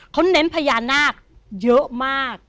เขาเน้นพญานาคเยอะมาก